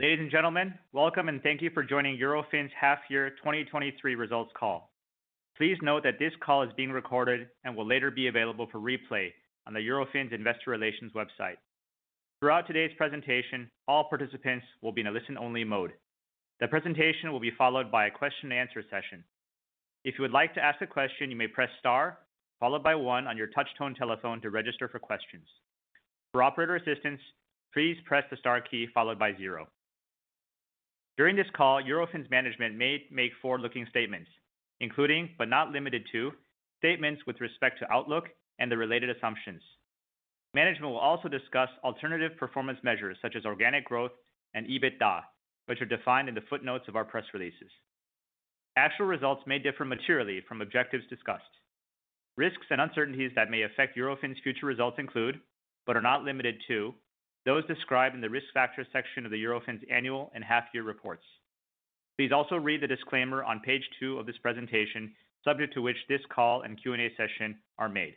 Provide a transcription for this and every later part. Ladies and gentlemen, Welcome and thank you for joining Eurofins' Half-Year 2023 Results Call. Please note that this call is being recorded and will later be available for replay on the Eurofins Investor Relations website. Throughout today's presentation, all participants will be in a listen-only mode. The presentation will be followed by a question-and-answer session. If you would like to ask a question, you may press star, followed by one on your touchtone telephone to register for questions. For operator assistance, please press the star key followed by zero. During this call, Eurofins' management may make forward-looking statements, including, but not limited to, statements with respect to outlook and the related assumptions. Management will also discuss alternative performance measures such as organic growth and EBITDA, which are defined in the footnotes of our press releases. Actual results may differ materially from objectives discussed. Risks and uncertainties that may affect Eurofins' future results include, but are not limited to, those described in the Risk Factors section of the Eurofins Annual and Half-Year Reports. Please also read the disclaimer on page two of this presentation, subject to which this call and Q&A session are made.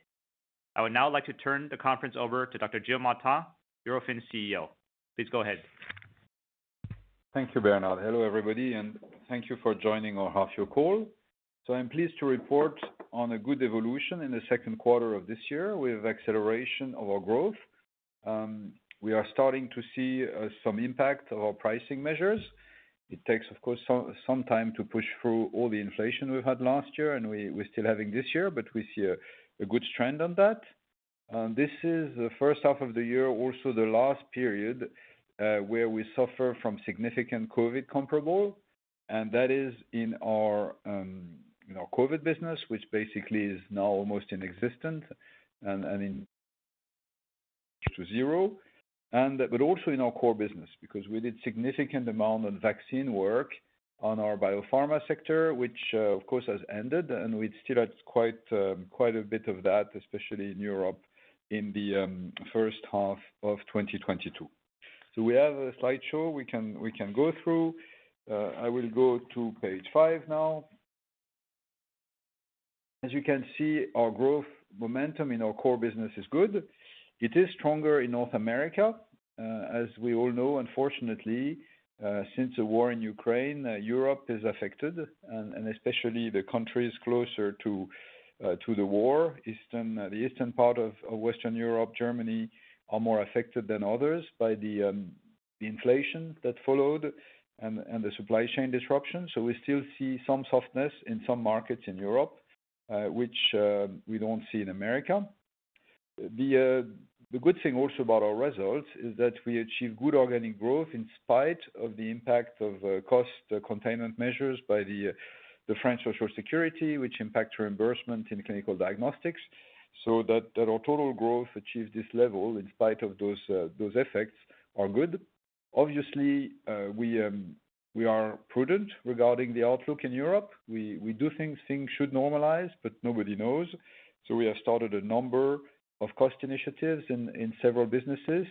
I would now like to turn the conference over to Dr. Gilles Martin, Eurofins' CEO. Please go ahead. Thank you, Bernard. Hello, everybody, and thank you for joining our half-year call. I'm pleased to report on a good evolution in the second quarter of this year with acceleration of our growth. We are starting to see some impact of our pricing measures. It takes, of course, some time to push through all the inflation we've had last year and we're still having this year, but we see a good trend on that. This is the first half of the year, also the last period, where we suffer from significant COVID comparable, and that is in our COVID business, which basically is now almost inexistent and in to zero. Also in our core business, because we did significant amount on vaccine work on our biopharma sector, which, of course, has ended, and we still had quite a bit of that, especially in Europe, in the first half of 2022. We have a slideshow we can go through. I will go to page 5 now. As you can see, our growth momentum in our core business is good. It is stronger in North America. As we all know, unfortunately, since the war in Ukraine, Europe is affected and especially the countries closer to the war. The eastern part of Western Europe, Germany, are more affected than others by the inflation that followed and the supply chain disruption. We still see some softness in some markets in Europe, which we don't see in America. The good thing also about our results is that we achieve good organic growth in spite of the impact of cost containment measures by the French Social Security, which impacts reimbursement in clinical diagnostics. That our total growth achieved this level in spite of those effects are good. Obviously, we are prudent regarding the outlook in Europe. We do think things should normalize, but nobody knows. We have started a number of cost initiatives in several businesses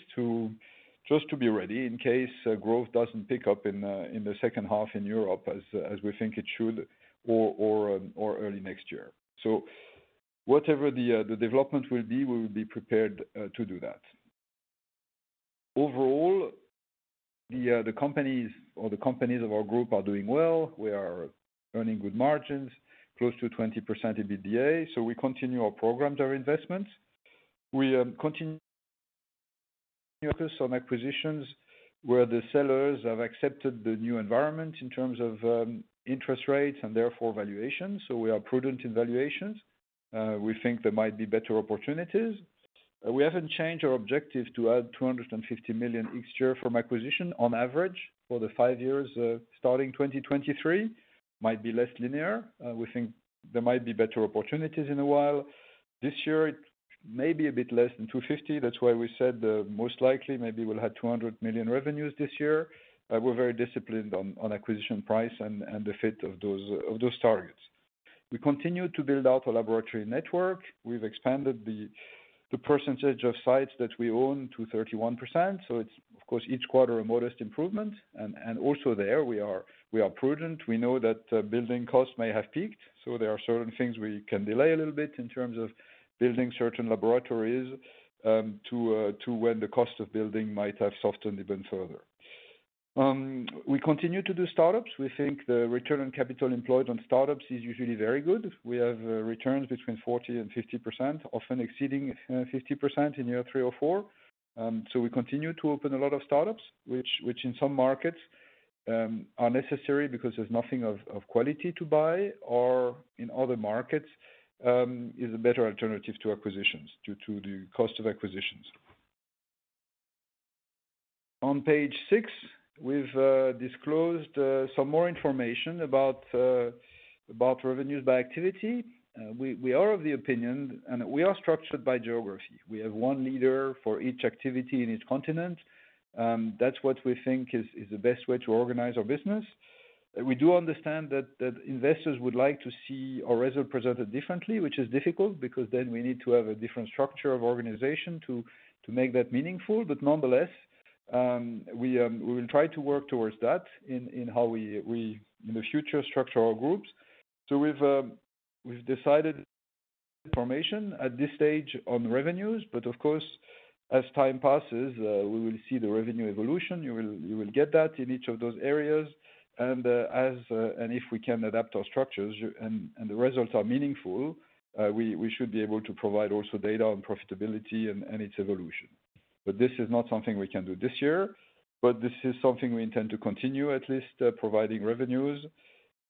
just to be ready in case growth doesn't pick up in the second half in Europe, as we think it should, or early next year. Whatever the development will be, we will be prepared to do that. Overall, the companies or the companies of our group are doing well. We are earning good margins, close to 20% EBITDA, so we continue our programs, our investments. We continue focus on acquisitions where the sellers have accepted the new environment in terms of interest rates and therefore valuations. We are prudent in valuations. We think there might be better opportunities. We haven't changed our objective to add 250 million each year from acquisition on average for the five years, starting 2023. Might be less linear. We think there might be better opportunities in a while. This year, it may be a bit less than 250 million. That's why we said, most likely, maybe we'll have 200 million revenues this year. We're very disciplined on acquisition price and the fit of those targets. We continue to build out a laboratory network. We've expanded the percentage of sites that we own to 31%. It's, of course, each quarter, a modest improvement. Also there we are prudent. We know that building costs may have peaked, so there are certain things we can delay a little bit in terms of building certain laboratories, to when the cost of building might have softened even further. We continue to do startups. We think the return on capital employed on startups is usually very good. We have returns between 40% and 50%, often exceeding 50% in year three or four. We continue to open a lot of startups, which in some markets are necessary because there's nothing of quality to buy or in other markets is a better alternative to acquisitions due to the cost of acquisitions. On page 6, we've disclosed some more information about revenues by activity. We are of the opinion, and we are structured by geography. We have one leader for each activity in each continent. That's what we think is the best way to organize our business. We do understand that investors would like to see our results presented differently, which is difficult, because then we need to have a different structure of organization to make that meaningful. Nonetheless, we will try to work towards that in how we in the future structure our groups. We've decided information at this stage on revenues, but of course, as time passes, we will see the revenue evolution. You will get that in each of those areas. As and if we can adapt our structures and the results are meaningful, we should be able to provide also data on profitability and its evolution. This is not something we can do this year, but this is something we intend to continue, at least, providing revenues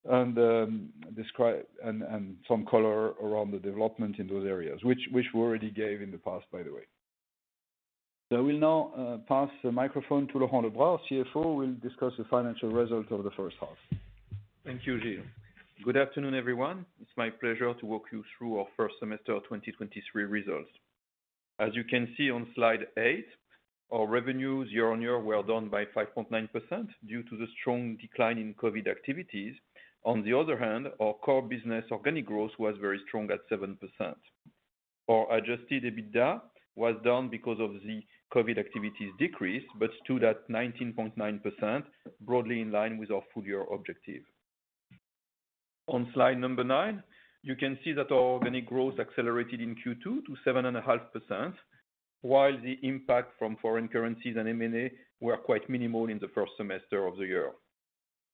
and describe and some color around the development in those areas, which we already gave in the past, by the way. I will now pass the microphone to Laurent Lebras, CFO, who will discuss the financial results of the first half. Thank you, Gilles. Good afternoon, everyone. It's my pleasure to walk you through our first semester of 2023 results. As you can see on slide 8, our revenues year-on-year were down by 5.9% due to the strong decline in COVID activities. On the other hand, our core business organic growth was very strong at 7%. Our adjusted EBITDA was down because of the COVID activities decrease, stood at 19.9%, broadly in line with our full year objective. On slide number 9, you can see that our organic growth accelerated in Q2 to 7.5%, while the impact from foreign currencies and M&A were quite minimal in the first semester of the year.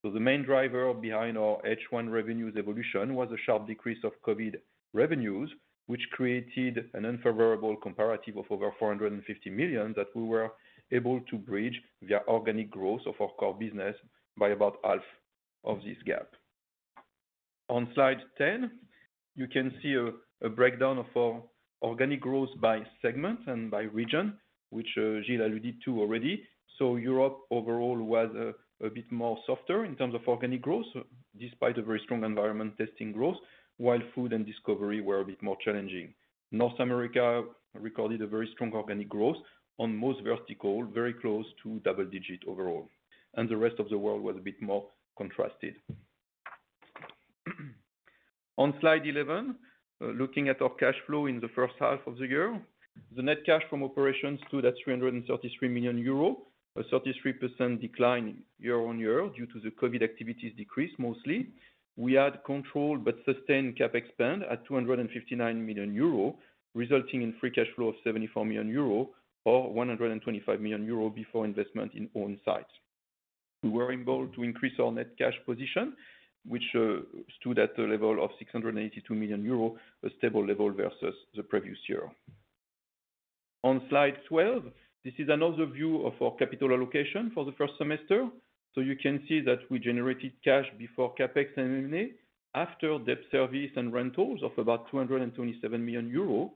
The main driver behind our H1 revenues evolution was a sharp decrease of COVID revenues, which created an unfavorable comparative of over 450 million, that we were able to bridge via organic growth of our core business by about half of this gap. On slide 10, you can see a breakdown of our organic growth by segment and by region, which Gilles alluded to already. Europe overall was a bit more softer in terms of organic growth, despite a very strong environment testing growth, while food and discovery were a bit more challenging. North America recorded a very strong organic growth on most vertical, very close to double-digit overall, and the rest of the world was a bit more contrasted. On slide 11, looking at our cash flow in the first half of the year, the net cash from operations stood at 333 million euro, a 33% decline year-on-year due to the COVID activities decrease mostly. We had controlled but sustained CapEx spend at 259 million euro, resulting in free cash flow of 74 million euro, or 125 million euro before investment in own sites. We were able to increase our net cash position, which stood at the level of 682 million euro, a stable level versus the previous year. On slide 12, this is another view of our capital allocation for the first semester. You can see that we generated cash before CapEx and M&A, after debt service and rentals of about 227 million euro.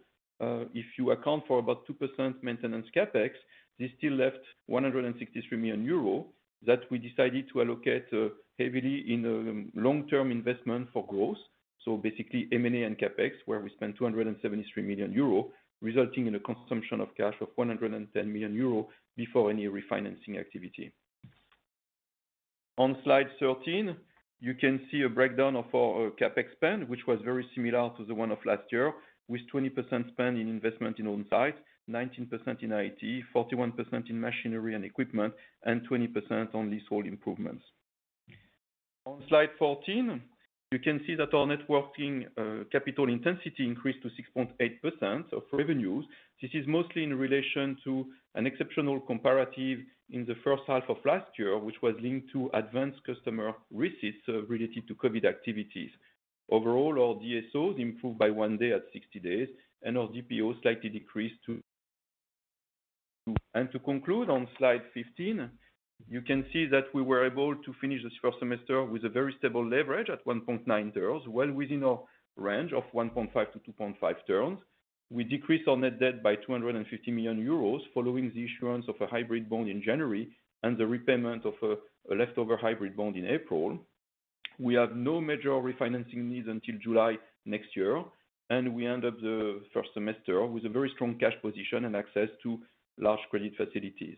If you account for about 2% maintenance CapEx, this still left 163 million euro that we decided to allocate heavily in a long-term investment for growth. Basically, M&A and CapEx, where we spent 273 million euro, resulting in a consumption of cash of 110 million euro before any refinancing activity. On slide 13, you can see a breakdown of our CapEx spend, which was very similar to the one of last year, with 20% spent in investment in own sites, 19% in IT, 41% in machinery and equipment, and 20% on leasehold improvements. On slide 14, you can see that our networking capital intensity increased to 6.8% of revenues. This is mostly in relation to an exceptional comparative in the first half of last year, which was linked to advanced customer receipts related to COVID activities. Overall, our DSOs improved by one day at 60 days, and our DPOs slightly decreased and to conclude on slide 15, you can see that we were able to finish this first semester with a very stable leverage at 1.9x, well within our range of 1.5x-2.5x. We decreased our net debt by 250 million euros, following the issuance of a hybrid bond in January and the repayment of a leftover hybrid bond in April. We have no major refinancing needs until July next year, we end up the first semester with a very strong cash position and access to large credit facilities.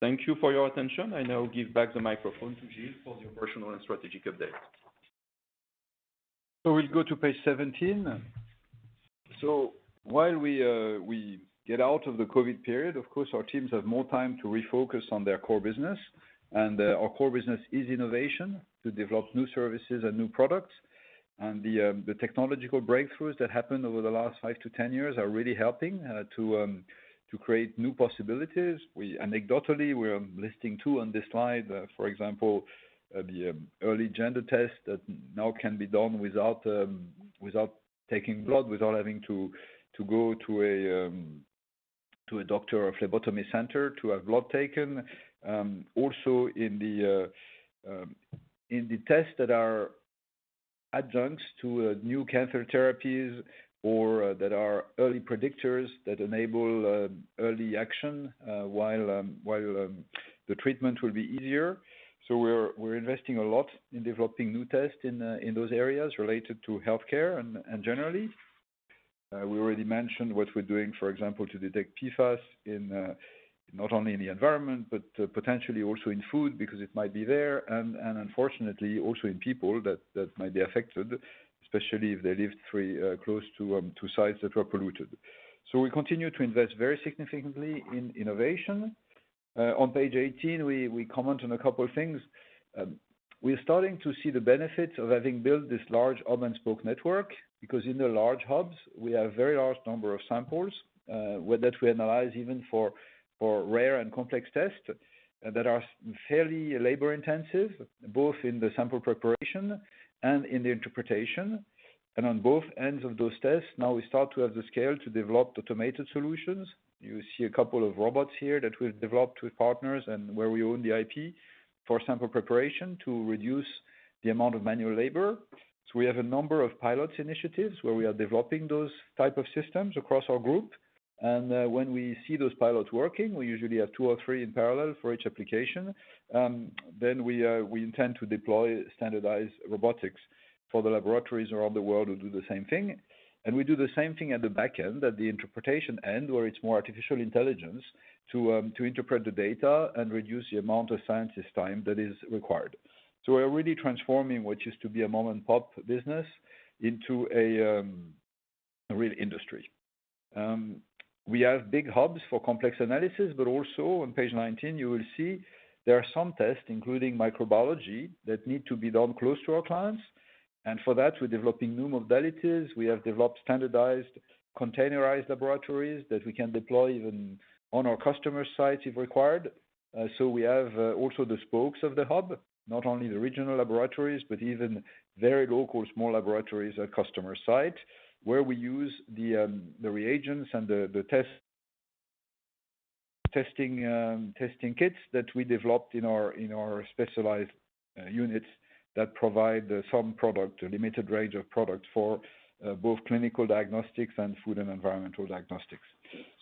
Thank you for your attention. I now give back the microphone to Gilles for the operational and strategic update. We'll go to page 17. While we get out of the COVID period, of course, our teams have more time to refocus on their core business. Our core business is innovation, to develop new services and new products. The technological breakthroughs that happened over the last 5 to 10 years are really helping to create new possibilities. Anecdotally, we are listing two on this slide. For example, the early gender test that now can be done without taking blood, without having to go to a doctor or phlebotomy center to have blood taken. Also in the test that are adjuncts to new cancer therapies or that are early predictors that enable early action while while the treatment will be easier. We're investing a lot in developing new tests in those areas related to healthcare and generally. We already mentioned what we're doing, for example, to detect PFAS in not only in the environment, but potentially also in food, because it might be there, and unfortunately, also in people that might be affected, especially if they live three close to sites that were polluted. We continue to invest very significantly in innovation. On page 18, we comment on a couple of things. We're starting to see the benefits of having built this large hub-and-spoke network, because in the large hubs, we have a very large number of samples that we analyze even for rare and complex tests that are fairly labor-intensive, both in the sample preparation and in the interpretation. On both ends of those tests, now we start to have the scale to develop automated solutions. You see a couple of robots here that we've developed with partners and where we own the IP for sample preparation to reduce the amount of manual labor. We have a number of pilot initiatives where we are developing those type of systems across our group, and when we see those pilots working, we usually have 2 or 3 in parallel for each application. We intend to deploy standardized robotics for the laboratories around the world who do the same thing. We do the same thing at the back end, at the interpretation end, where it's more artificial intelligence, to interpret the data and reduce the amount of scientist time that is required. We're really transforming what used to be a mom-and-pop business into a real industry. We have big hubs for complex analysis, but also on page 19, you will see there are some tests, including microbiology, that need to be done close to our clients, and for that, we're developing new modalities. We have developed standardized, containerized laboratories that we can deploy even on our customer sites, if required. We have also the spokes of the hub, not only the regional laboratories, but even very local, small laboratories at customer site, where we use the reagents and the testing kits that we developed in our, in our specialized units that provide some product, a limited range of products for both clinical diagnostics and food and environmental diagnostics.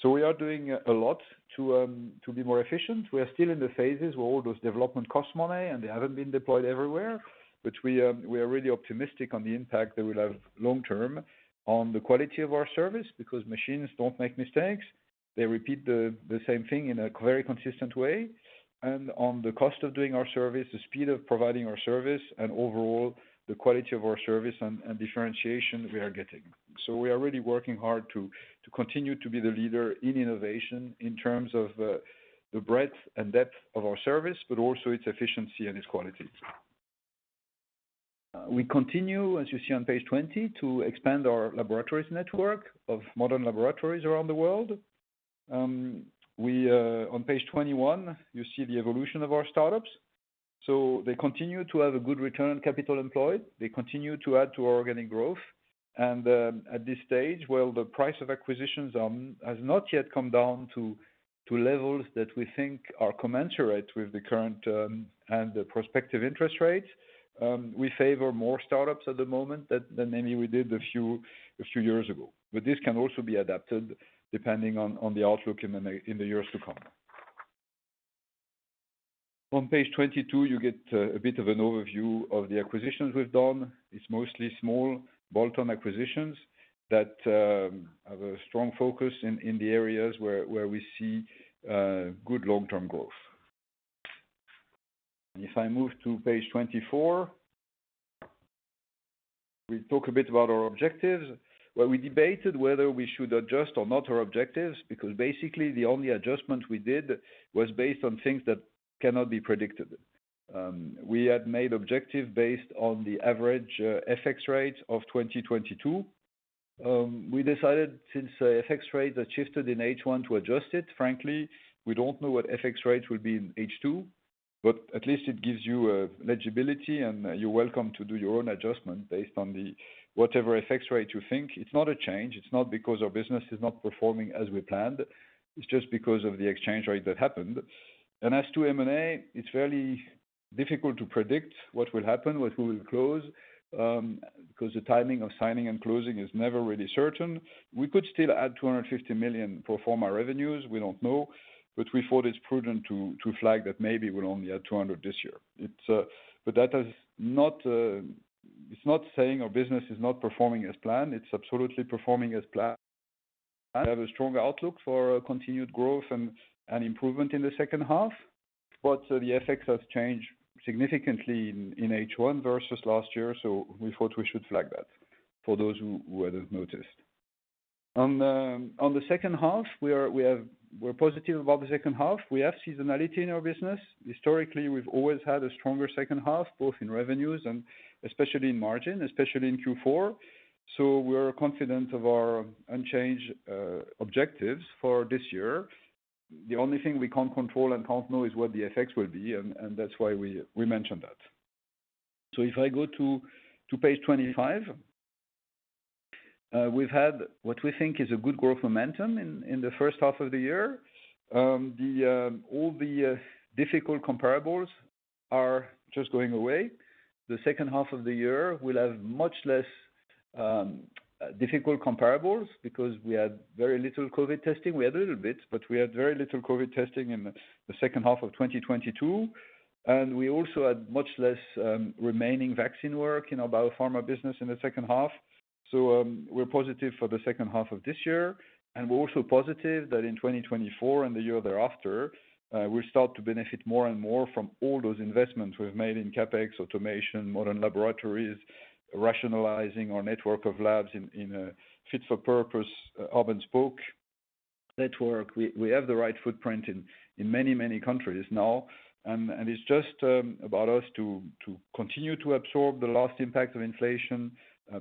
We are doing a lot to be more efficient. We are still in the phases where all those development costs money, and they haven't been deployed everywhere, but we are, we are really optimistic on the impact they will have long term on the quality of our service, because machines don't make mistakes. They repeat the same thing in a very consistent way, on the cost of doing our service, the speed of providing our service, overall, the quality of our service and differentiation we are getting. We are really working hard to continue to be the leader in innovation in terms of the breadth and depth of our service, but also its efficiency and its quality. We continue, as you see on page 20, to expand our laboratories network of modern laboratories around the world. We on page 21, you see the evolution of our startups. They continue to have a good return on capital employed. They continue to add to our organic growth. At this stage, while the price of acquisitions has not yet come down to levels that we think are commensurate with the current and the prospective interest rates, we favor more startups at the moment than maybe we did a few years ago. This can also be adapted, depending on the outlook in the years to come. On page 22, you get a bit of an overview of the acquisitions we've done. It's mostly small, bolt-on acquisitions that have a strong focus in the areas where we see good long-term growth. If I move to page 24, we talk a bit about our objectives. We debated whether we should adjust or not our objectives, because basically, the only adjustment we did was based on things that cannot be predicted. We had made objective based on the average FX rate of 2022. We decided, since the FX rate adjusted in H1 to adjust it, frankly, we don't know what FX rate will be in H2, but at least it gives you a legibility, and you're welcome to do your own adjustment based on the whatever FX rate you think. It's not a change. It's not because our business is not performing as we planned. It's just because of the exchange rate that happened. As to M&A, it's fairly difficult to predict what will happen, what we will close, because the timing of signing and closing is never really certain. We could still add 250 million pro forma revenues, we don't know, but we thought it's prudent to flag that maybe we'll only add 200 million this year. It's, that is not, it's not saying our business is not performing as planned. It's absolutely performing as planned. We have a strong outlook for continued growth and improvement in the second half, the FX has changed significantly in H1 versus last year, we thought we should flag that for those who wouldn't notice. On the second half, we are positive about the second half. We have seasonality in our business. Historically, we've always had a stronger second half, both in revenues and especially in margin, especially in Q4. We're confident of our unchanged objectives for this year. The only thing we can't control and can't know is what the FX will be, and that's why we mentioned that. If I go to page 25, we've had what we think is a good growth momentum in the first half of the year. The all the difficult comparables are just going away. The second half of the year, we'll have much less difficult comparables because we had very little COVID testing. We had a little bit, but we had very little COVID testing in the second half of 2022, and we also had much less remaining vaccine work in our biopharma business in the second half. We're positive for the second half of this year, and we're also positive that in 2024 and the year thereafter, we'll start to benefit more and more from all those investments we've made in CapEx, automation, modern laboratories, rationalizing our network of labs in a fit-for-purpose hub-and-spoke network. We have the right footprint in many countries now, and it's just about us to continue to absorb the last impact of inflation,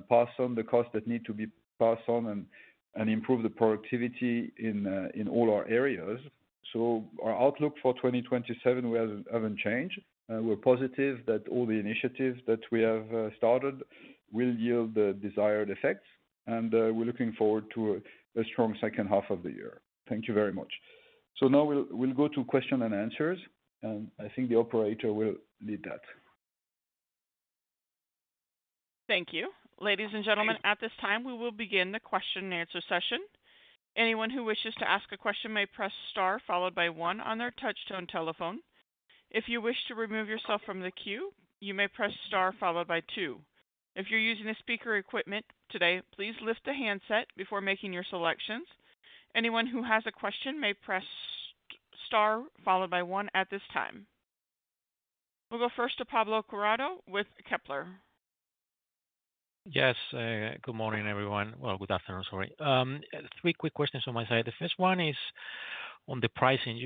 pass on the costs that need to be passed on, and improve the productivity in all our areas. Our outlook for 2027 haven't changed. We're positive that all the initiatives that we have started will yield the desired effects, and we're looking forward to a strong second half of the year. Thank you very much. Now we'll go to Q&A, and I think the operator will lead that. Thank you. Ladies and gentlemen, at this time, we will begin the Q&A session. Anyone who wishes to ask a question may press star, followed by one on their touch-tone telephone. If you wish to remove yourself from the queue, you may press star followed by two. If you're using a speaker equipment today, please lift the handset before making your selections. Anyone who has a question may press star, followed by one at this time. We'll go first to Pablo Cuadrado with Kepler. Yes, good morning, everyone. Well, good afternoon, sorry. Three quick questions on my side. The first one is on the pricing.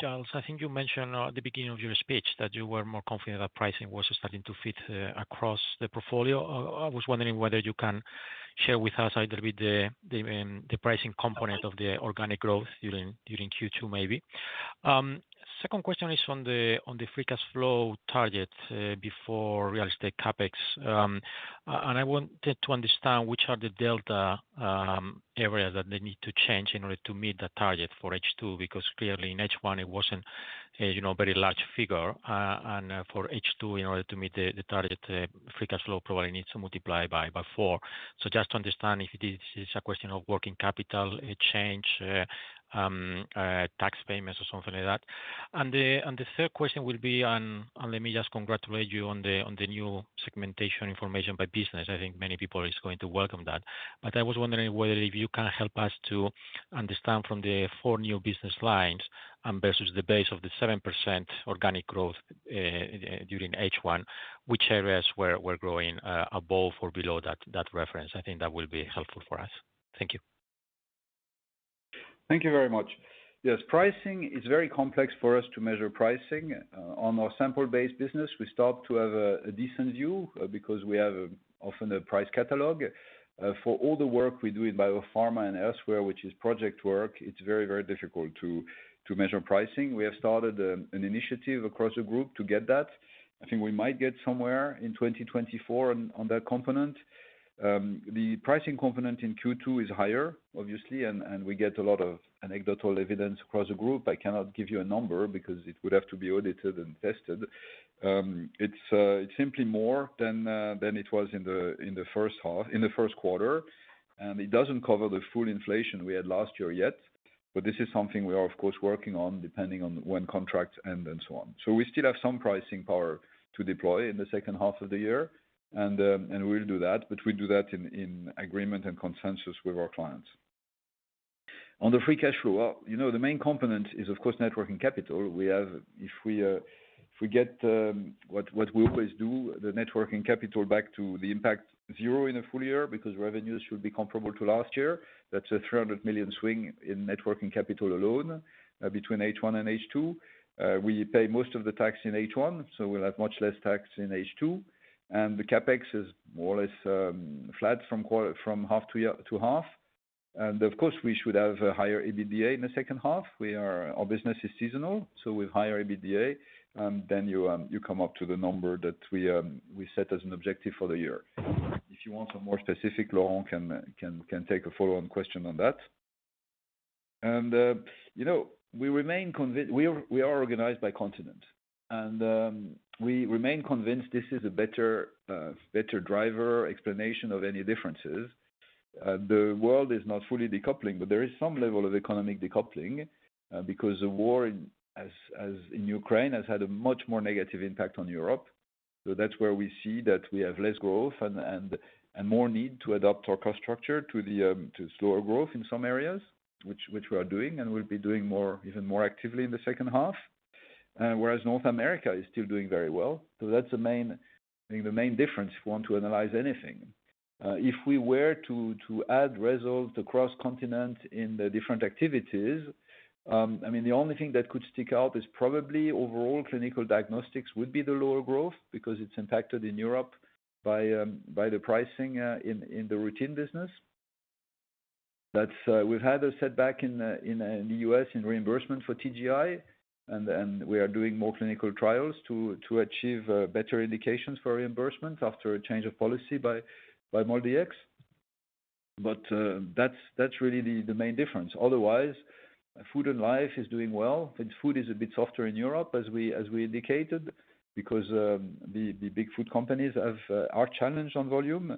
Gilles, I think you mentioned at the beginning of your speech that you were more confident that pricing was starting to fit across the portfolio. I was wondering whether you can share with us a little bit the pricing component of the organic growth during Q2, maybe. Second question is on the free cash flow target before real estate CapEx. I wanted to understand which are the delta areas that they need to change in order to meet the target for H2, because clearly in H1, it wasn't a, you know, very large figure. For H2, in order to meet the target, free cash flow probably needs to multiply by four. Just to understand if this is a question of working capital, a change, tax payments or something like that. Let me just congratulate you on the new segmentation information by business. I think many people is going to welcome that. I was wondering whether if you can help us to understand from the four new business lines, versus the base of the 7% organic growth during H1, which areas were growing above or below that reference? I think that will be helpful for us. Thank you. Thank you very much. Yes, pricing is very complex for us to measure pricing. On our sample-based business, we start to have a decent view because we have often a price catalog. For all the work we do in Biopharma and elsewhere, which is project work, it's very difficult to measure pricing. We have started an initiative across the group to get that. I think we might get somewhere in 2024 on that component. The pricing component in Q2 is higher, obviously, and we get a lot of anecdotal evidence across the group. I cannot give you a number because it would have to be audited and tested. It's simply more than it was in the first quarter, and it doesn't cover the full inflation we had last year yet, but this is something we are, of course, working on, depending on when contracts end and so on. We still have some pricing power to deploy in the second half of the year, and we'll do that, but we'll do that in agreement and consensus with our clients. On the free cash flow, you know, the main component is, of course, net working capital. If we get the net working capital back to the impact zero in a full year, because revenues should be comparable to last year. That's a 300 million swing in net working capital alone, between H1 and H2. We pay most of the tax in H1, so we'll have much less tax in H2, and the CapEx is more or less flat from quarter, from half to half. We should have a higher EBITDA in the second half. Our business is seasonal, so with higher EBITDA, you come up to the number that we set as an objective for the year. If you want some more specific, Laurent can take a follow-on question on that. You know, we are organized by continent, and we remain convinced this is a better driver explanation of any differences. The world is not fully decoupling, but there is some level of economic decoupling, because the war in Ukraine, has had a much more negative impact on Europe. That's where we see that we have less growth and more need to adapt our cost structure to the to slower growth in some areas, which we are doing, and we'll be doing more, even more actively in the second half. Whereas North America is still doing very well. That's the main, I think, the main difference, if you want to analyze anything. If we were to add results across continents in the different activities, I mean, the only thing that could stick out is probably overall clinical diagnostics would be the lower growth because it's impacted in Europe by the pricing in the routine business. We've had a setback in the U.S. in reimbursement for TGI, and we are doing more clinical trials to achieve better indications for reimbursement after a change of policy by MolDx. That's really the main difference. Otherwise, Food and Life is doing well. Food is a bit softer in Europe, as we indicated, because the big food companies have are challenged on volume.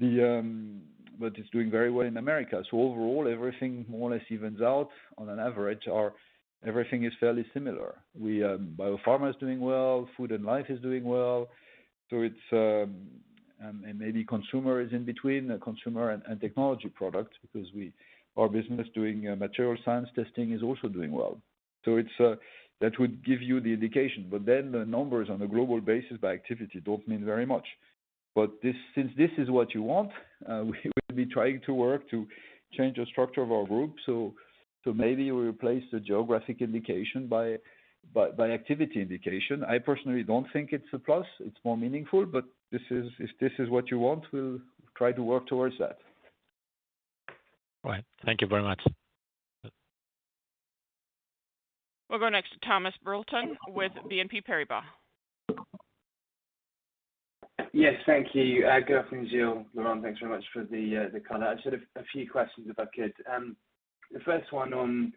It's doing very well in America. Overall, everything more or less evens out on an average, or everything is fairly similar. We, Biopharma is doing well, Food and Life is doing well, so it's. Maybe Consumer is in between, Consumer and Technology product, because we, our business doing material science testing is also doing well. It's, that would give you the indication, but then the numbers on a global basis by activity don't mean very much. This, since this is what you want, we will be trying to work to change the structure of our group. Maybe we replace the geographic indication by activity indication. I personally don't think it's a plus, it's more meaningful, but if this is what you want, we'll try to work towards that. All right. Thank you very much. We'll go next to Thomas Broughton with BNP Paribas. Yes, thank you. Good afternoon, Gilles, Laurent, thanks very much for the color. I just have a few questions, if I could. The first one on,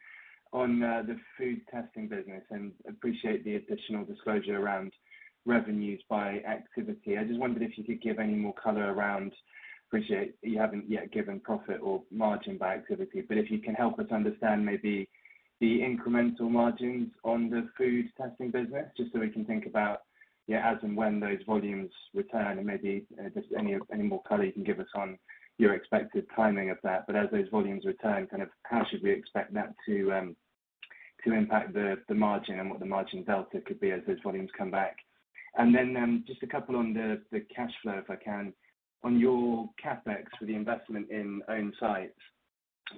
the food testing business, and appreciate the additional disclosure around revenues by activity. I just wondered if you could give any more color around, appreciate you haven't yet given profit or margin by activity, but if you can help us understand maybe the incremental margins on the food testing business, just so we can think about, as and when those volumes return, and maybe just any more color you can give us on your expected timing of that. As those volumes return, kind of how should we expect that to impact the margin and what the margin delta could be as those volumes come back? Just a couple on the cash flow, if I can. On your CapEx for the investment in own sites,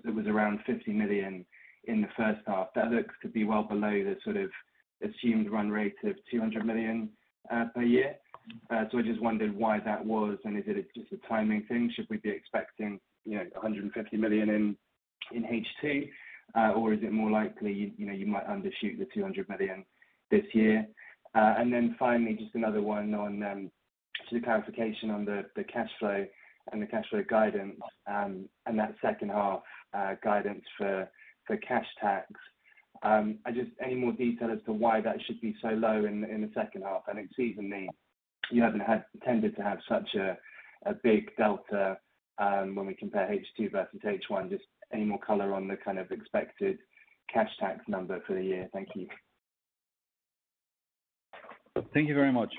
it was around 50 million in the first half. That looks to be well below the sort of assumed run rate of 200 million per year. I just wondered why that was, and is it just a timing thing? Should we be expecting, you know, 150 million in H2, or is it more likely, you know, you might undershoot the 200 million this year? Finally, just another one on, just a clarification on the cash flow and the cash flow guidance, and that second half guidance for cash tax. Any more detail as to why that should be so low in the second half? I think seasonally, you haven't had tended to have such a big delta when we compare H2 versus H1. Just any more color on the kind of expected cash tax number for the year? Thank you. Thank you very much.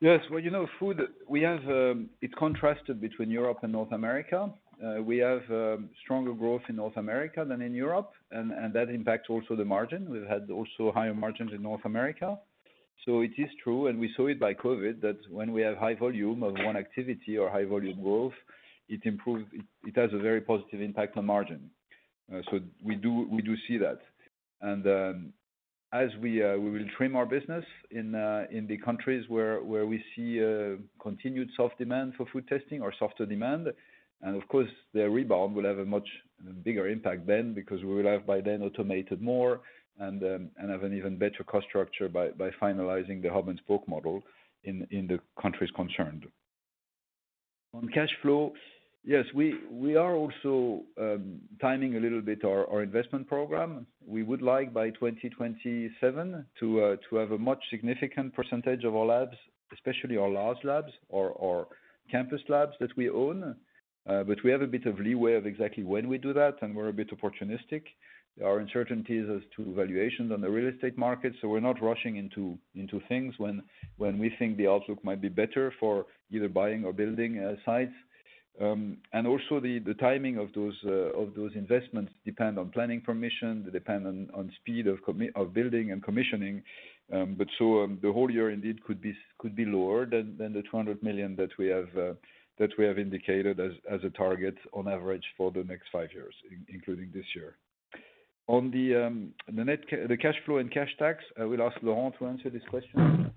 Yes, well, you know, food, we have, it contrasted between Europe and North America. We have stronger growth in North America than in Europe, and that impacts also the margin. We've had also higher margins in North America. It is true, and we saw it by COVID, that when we have high volume of one activity or high volume growth, it has a very positive impact on margin. We do see that. As we will trim our business in the countries where we see continued soft demand for food testing or softer demand. Of course, the rebound will have a much bigger impact then, because we will have by then automated more and have an even better cost structure by finalizing the hub and spoke model in the countries concerned. On cash flow, yes, we are also timing a little bit our investment program. We would like by 2027 to have a much significant percentage of our labs, especially our large labs or campus labs that we own. We have a bit of leeway of exactly when we do that, and we're a bit opportunistic. There are uncertainties as to valuations on the real estate market, so we're not rushing into things when we think the outlook might be better for either buying or building sites. Also the timing of those investments depend on planning permission, they depend on speed of building and commissioning. The whole year indeed could be lower than the 200 million that we have indicated as a target on average for the next five years, including this year. On the cash flow and cash tax, I will ask Laurent to answer this question.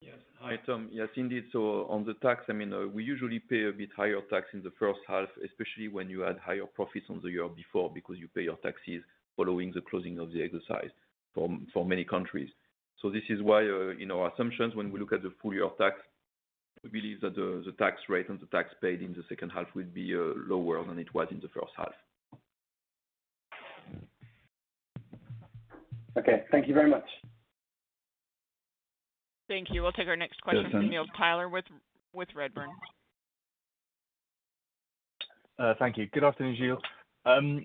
Yes. Hi, Tom. Yes, indeed, on the tax, I mean, we usually pay a bit higher tax in the first half, especially when you had higher profits on the year before, because you pay your taxes following the closing of the exercise for many countries. This is why, in our assumptions, when we look at the full year tax, we believe that the tax rate and the tax paid in the second half will be lower than it was in the first half. Okay. Thank you very much. Thank you. We'll take our next question. Yes From Tyler with Redburn. Thank you. Good afternoon, Gilles.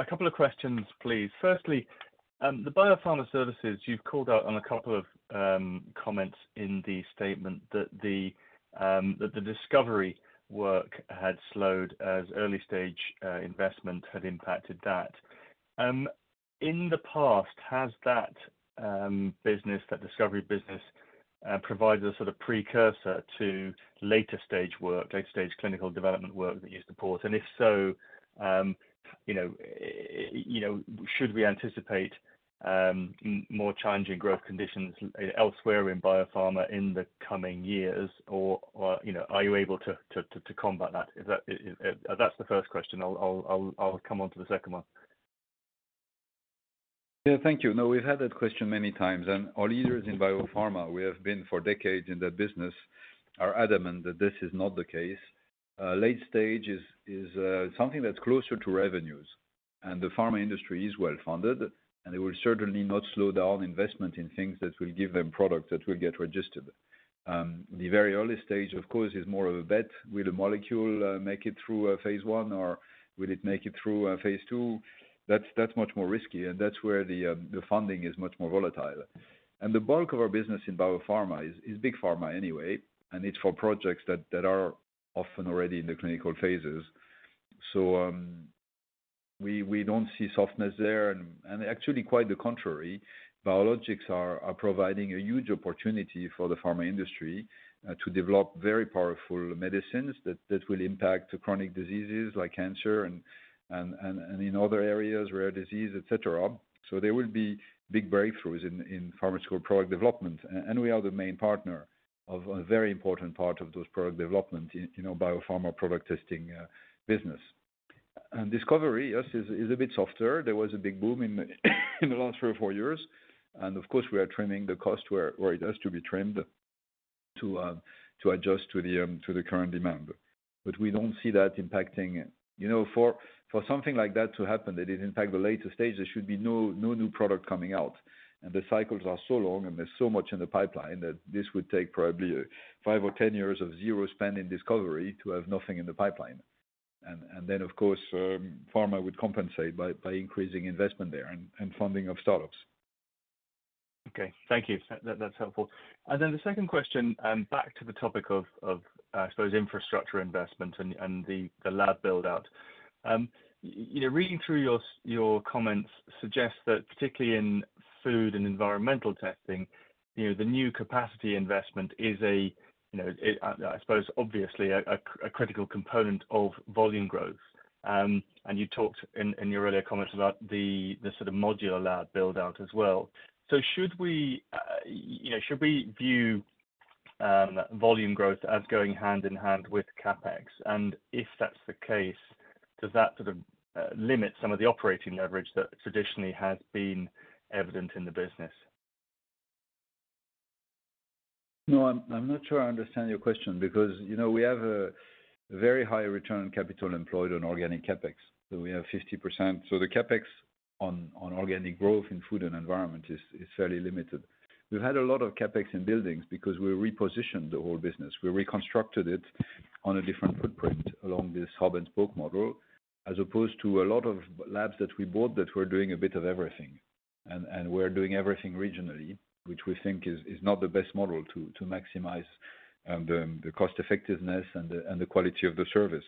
A couple of questions, please. Firstly, the biopharma services, you've called out on a couple of comments in the statement that the discovery work had slowed as early stage investment had impacted that. In the past, has that business, that discovery business, provided a sort of precursor to later stage work, later stage clinical development work that you support? If so, you know, you know, should we anticipate more challenging growth conditions elsewhere in biopharma in the coming years? You know, are you able to combat that? Is that? That's the first question. I'll come on to the second one. Yeah, thank you. No, we've had that question many times, and our leaders in biopharma, we have been for decades in that business, are adamant that this is not the case. Late stage is something that's closer to revenues, and the pharma industry is well-funded, and they will certainly not slow down investment in things that will give them product that will get registered. The very early stage, of course, is more of a bet. Will the molecule make it through a phase 1, or will it make it through a phase 2? That's much more risky, and that's where the funding is much more volatile. The bulk of our business in biopharma is big pharma anyway, and it's for projects that are often already in the clinical phases. We don't see softness there, and actually, quite the contrary, biologics are providing a huge opportunity for the pharma industry to develop very powerful medicines that will impact chronic diseases like cancer and in other areas, rare disease, et cetera. There will be big breakthroughs in pharmaceutical product development. And we are the main partner of a very important part of those product development, you know, biopharma product testing business. Discovery, yes, is a bit softer. There was a big boom in the last three or four years. Of course, we are trimming the cost where it has to be trimmed to adjust to the current demand. We don't see that impacting you know, for something like that to happen, that it impact the later stage, there should be no new product coming out. The cycles are so long and there's so much in the pipeline, that this would take probably five or 10 years of zero spend in discovery to have nothing in the pipeline. Of course, pharma would compensate by increasing investment there and funding of startups. Okay, thank you. That's helpful. Then the second question, back to the topic of, I suppose, infrastructure investment and the lab build-out. You know, reading through your comments suggests that particularly in food and environmental testing, you know, the new capacity investment is a, you know, I suppose obviously, a critical component of volume growth. You talked in your earlier comments about the sort of modular lab build-out as well. Should we, you know, should we view volume growth as going hand in hand with CapEx? If that's the case, does that sort of limit some of the operating leverage that traditionally has been evident in the business? No, I'm not sure I understand your question because, you know, we have a very high return on capital employed on organic CapEx. We have 50%. The CapEx on organic growth in food and environment is fairly limited. We've had a lot of CapEx in buildings because we repositioned the whole business. We reconstructed it on a different footprint along this hub and spoke model, as opposed to a lot of labs that we bought that were doing a bit of everything. Were doing everything regionally, which we think is not the best model to maximize the cost effectiveness and the quality of the service.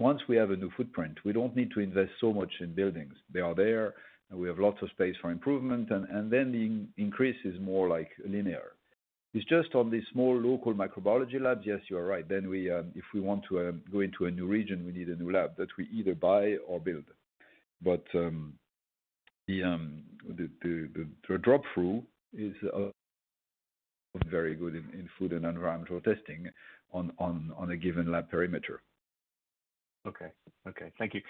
Once we have a new footprint, we don't need to invest so much in buildings. They are there, we have lots of space for improvement, and then the increase is more like linear. It's just on the small local microbiology labs, yes, you are right. We, if we want to go into a new region, we need a new lab that we either buy or build. The drop through is very good in food and environmental testing on a given lab perimeter. Okay, thank you.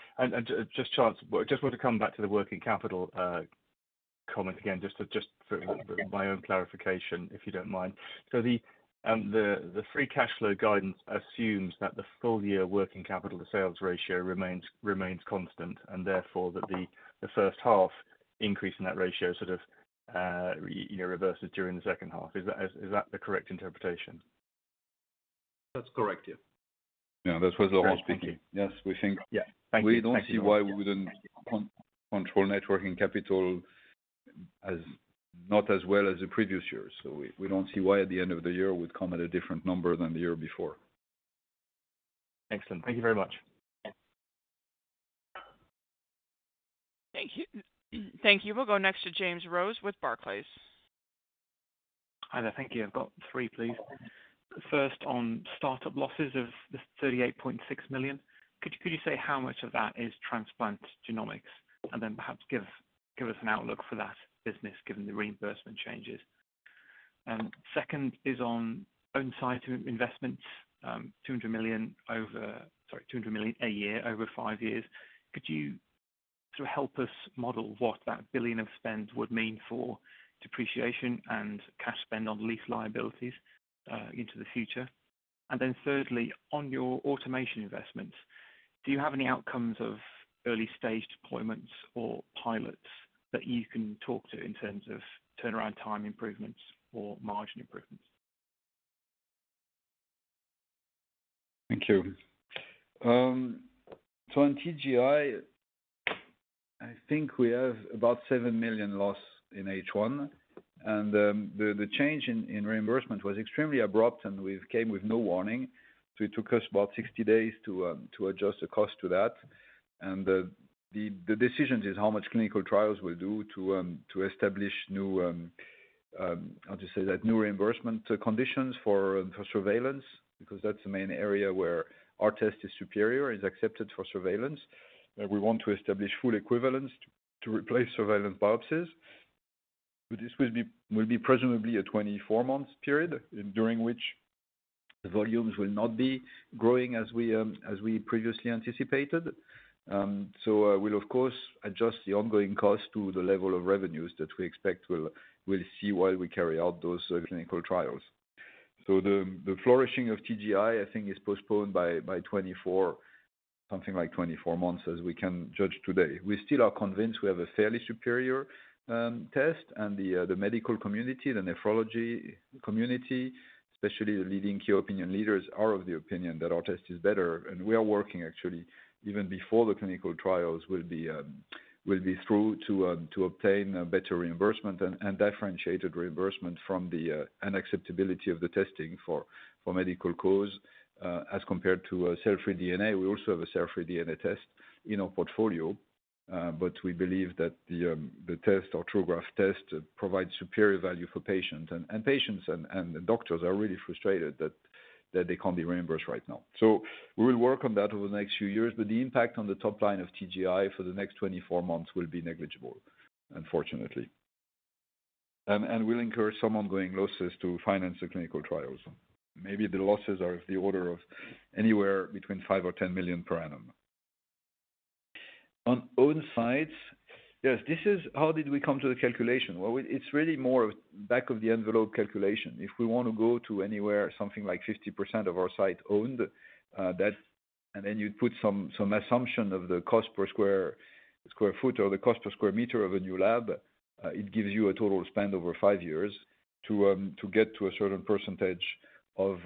Just, Charles, just want to come back to the working capital comment again, just for my own clarification, if you don't mind. The free cash flow guidance assumes that the full year working capital to sales ratio remains constant, and therefore, that the first half increase in that ratio sort of, you know, reverses during the second half. Is that the correct interpretation? That's correct, yeah. Yeah, that was Laurent speaking. Thank you. Yes. Yeah. Thank you. We don't see why we wouldn't control net working capital as, not as well as the previous years. We don't see why at the end of the year, we'd come at a different number than the year before. Excellent. Thank you very much. Thank you. Thank you. We'll go next to James Rose with Barclays. Hi there. Thank you. I've got three, please. First, on startup losses of the 38.6 million, could you say how much of that is transplant genomics? Perhaps give us an outlook for that business, given the reimbursement changes. Second is on own site investments, 200 million over... Sorry, 200 million a year, over five years. Could you sort of help us model what that 1 billion of spend would mean for depreciation and cash spend on lease liabilities, into the future? Thirdly, on your automation investments, do you have any outcomes of early-stage deployments or pilots that you can talk to in terms of turnaround time improvements or margin improvements? Thank you. On TGI, I think we have about 7 million loss in H1, and the change in reimbursement was extremely abrupt and we came with no warning. It took us about 60 days to adjust the cost to that. The decision is how much clinical trials we'll do to establish new reimbursement conditions for surveillance, because that's the main area where our test is superior, is accepted for surveillance. We want to establish full equivalence to replace surveillance biopsies. This will be presumably a 24 months period, during which the volumes will not be growing as we previously anticipated. We'll of course, adjust the ongoing cost to the level of revenues that we expect we'll see while we carry out those clinical trials. The flourishing of TGI, I think, is postponed by 24, something like 24 months, as we can judge today. We still are convinced we have a fairly superior test, and the medical community, the nephrology community, especially the leading key opinion leaders, are of the opinion that our test is better. We are working actually, even before the clinical trials will be through to obtain a better reimbursement and differentiated reimbursement from the unacceptability of the testing for medical cause as compared to a cell-free DNA. We also have a cell-free DNA test in our portfolio, but we believe that the test, OmniGraf test, provides superior value for patients. Patients and the doctors are really frustrated that they can't be reimbursed right now. We will work on that over the next few years, but the impact on the top line of TGI for the next 24 months will be negligible, unfortunately. We'll incur some ongoing losses to finance the clinical trials. Maybe the losses are of the order of anywhere between 5 million or 10 million per annum. On own sites, yes, this is how did we come to the calculation? Well, it's really more of back-of-the-envelope calculation. If we want to go to anywhere, something like 50% of our site owned, you'd put some assumption of the cost per square foot or the cost per square meter of a new lab, it gives you a total spend over 5 years to get to a certain percentage of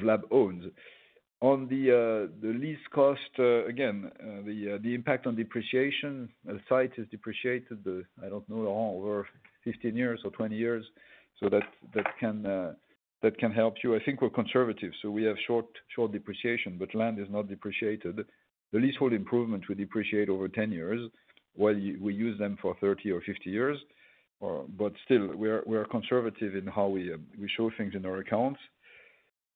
lab owned. On the lease cost, again, the impact on depreciation, the site is depreciated, I don't know, over 15 years or 20 years, so that can help you. I think we're conservative, so we have short depreciation, but land is not depreciated. The leasehold improvement will depreciate over 10 years, while we use them for 30 or 50 years. Still, we are conservative in how we show things in our accounts.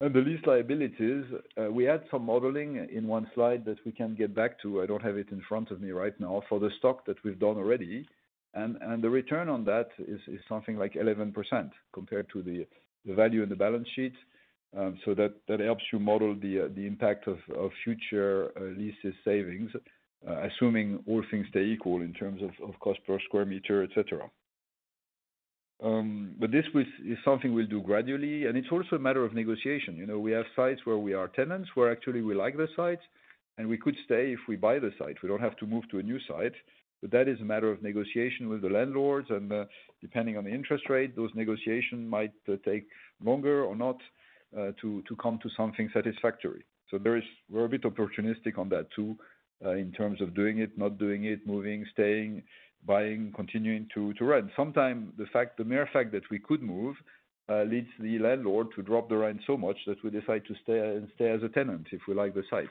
The lease liabilities, we had some modeling in 1 slide that we can get back to, I don't have it in front of me right now, for the stock that we've done already. The return on that is something like 11% compared to the value in the balance sheet. That helps you model the impact of future leases savings, assuming all things stay equal in terms of cost per square meter, et cetera. This is something we'll do gradually, and it's also a matter of negotiation. You know, we have sites where we are tenants, where actually we like the sites, and we could stay if we buy the site. We don't have to move to a new site, but that is a matter of negotiation with the landlords, and depending on the interest rate, those negotiations might take longer or not, to come to something satisfactory. We're a bit opportunistic on that too, in terms of doing it, not doing it, moving, staying, buying, continuing to rent. Sometime, the mere fact that we could move, leads the landlord to drop the rent so much that we decide to stay as a tenant, if we like the site.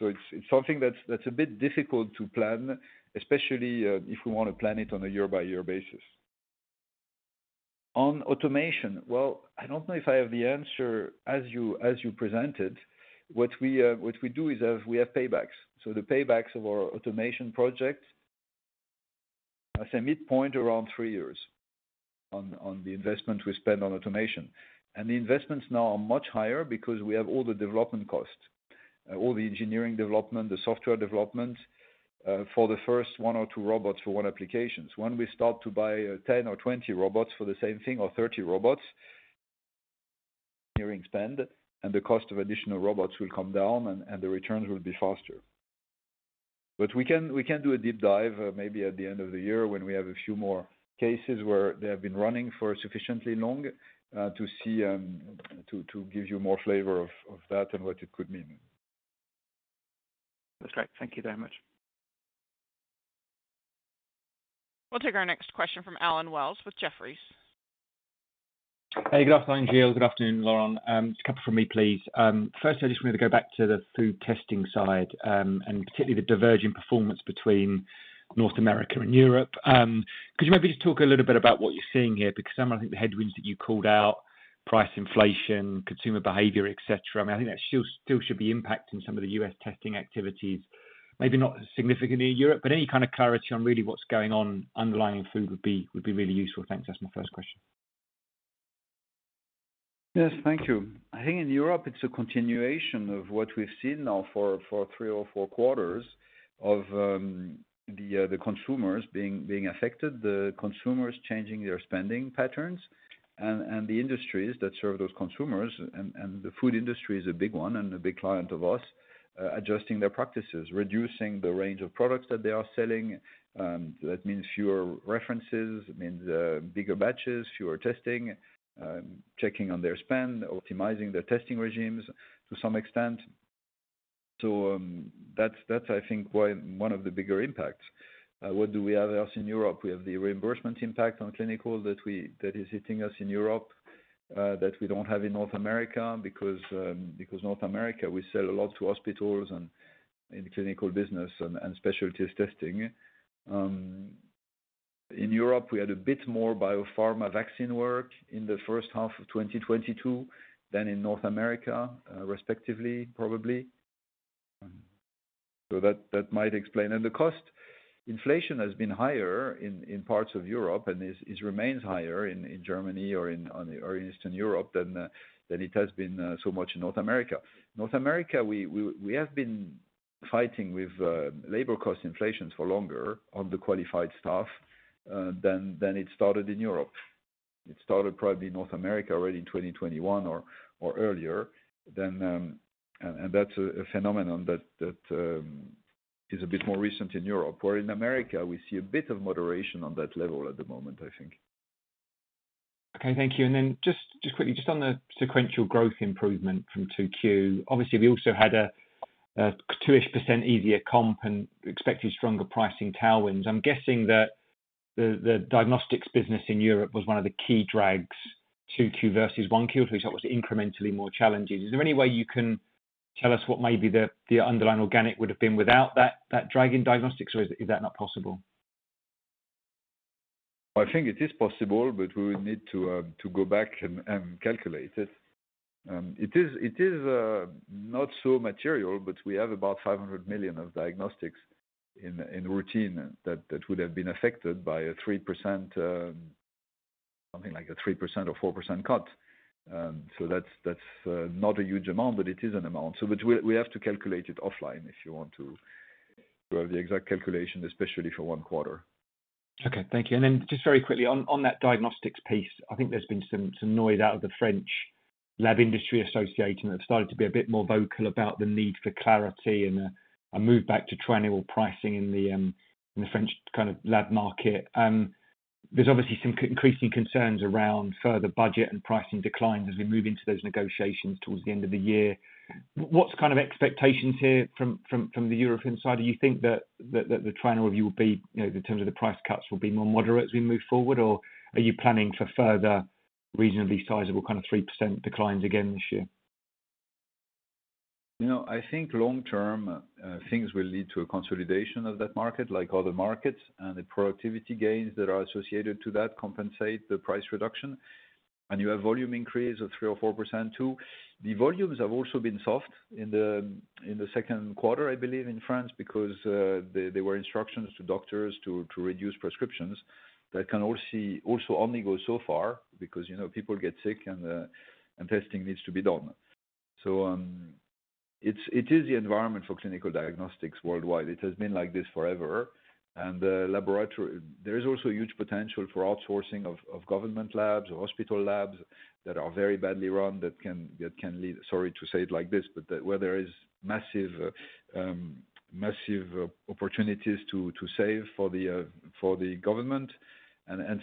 It's something that's a bit difficult to plan, especially if we want to plan it on a year-by-year basis. On automation, well, I don't know if I have the answer as you, as you presented. What we do is we have paybacks. The paybacks of our automation project, as a midpoint, around three years on the investment we spend on automation. The investments now are much higher because we have all the development costs, all the engineering development, the software development, for the first one or two robots for one applications. When we start to buy 10 or 20 robots for the same thing, or 30 robots, engineering spend and the cost of additional robots will come down, and the returns will be faster. We can do a deep dive, maybe at the end of the year, when we have a few more cases where they have been running for sufficiently long, to see to give you more flavor of that and what it could mean. That's great. Thank you very much. We'll take our next question from Allen Wells with Jefferies. Hey, good afternoon, Gilles. Good afternoon, Laurent. A couple from me, please. First, I just wanted to go back to the food testing side, and particularly the diverging performance between North America and Europe. Could you maybe just talk a little bit about what you're seeing here? Because some of, I think, the headwinds that you called out, price inflation, consumer behavior, et cetera. I mean, I think that still should be impacting some of the U.S. testing activities. Maybe not as significantly in Europe, but any kind of clarity on really what's going on underlying food would be really useful. Thanks. That's my first question. Yes, thank you. I think in Europe, it's a continuation of what we've seen now for three or four quarters of the consumers being affected, the consumers changing their spending patterns. The industries that serve those consumers, the food industry is a big one and a big client of ours, adjusting their practices, reducing the range of products that they are selling, that means fewer references, it means bigger batches, fewer testing, checking on their spend, optimizing their testing regimes to some extent. That's I think one of the bigger impacts. What do we have else in Europe? We have the reimbursement impact on clinical that is hitting us in Europe, that we don't have in North America, because North America, we sell a lot to hospitals and in clinical business and specialty testing. In Europe, we had a bit more biopharma vaccine work in the first half of 2022 than in North America, respectively, probably. That, that might explain. The cost inflation has been higher in parts of Europe, and it remains higher in Germany or in Eastern Europe than it has been so much in North America. North America, we have been fighting with labor cost inflations for longer on the qualified staff, than it started in Europe. It started probably in North America already in 2021 or earlier than. That's a phenomenon that is a bit more recent in Europe. Where in America, we see a bit of moderation on that level at the moment, I think. Okay, thank you. Then just quickly, just on the sequential growth improvement from 2Q. Obviously, we also had a 2-ish% easier comp and expected stronger pricing tailwinds. I'm guessing that the diagnostics business in Europe was one of the key drags, 2Q versus 1Q, which was obviously incrementally more challenging. Is there any way you can tell us what maybe the underlying organic would have been without that drag in diagnostics, or is that not possible? I think it is possible, but we would need to go back and calculate it. It is not so material, but we have about 500 million of diagnostics in routine that would have been affected by a 3%, something like a 3% or 4% cut. That's not a huge amount, but it is an amount. We have to calculate it offline if you want to have the exact calculation, especially for one quarter. Okay, thank you. Just very quickly, on that diagnostics piece, I think there's been some noise out of the French Lab Industry Association, that have started to be a bit more vocal about the need for clarity and a move back to triannual pricing in the French kind of lab market. There's obviously some increasing concerns around further budget and pricing declines as we move into those negotiations towards the end of the year. What's kind of expectations here from the European side? Do you think that the triannual review will be, you know, in terms of the price cuts, will be more moderate as we move forward? Or are you planning for further reasonably sizable, kind of 3% declines again this year? You know, I think long term, things will lead to a consolidation of that market, like other markets, and the productivity gains that are associated to that compensate the price reduction. You have volume increase of 3% or 4%, too. The volumes have also been soft in the 2nd quarter, I believe, in France, because there were instructions to doctors to reduce prescriptions. That can also only go so far because, you know, people get sick and testing needs to be done. It is the environment for clinical diagnostics worldwide. It has been like this forever, and the laboratory. There is also huge potential for outsourcing of government labs or hospital labs that are very badly run, that can lead, sorry to say it like this, but where there is massive opportunities to save for the government.